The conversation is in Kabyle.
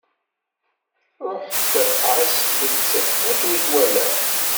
Ṛuḥet, ɛasset-tt akken i twalam.